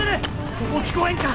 そこ聞こえんか？